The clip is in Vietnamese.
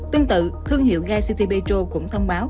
tương tự thương hiệu ga city petro cũng thông báo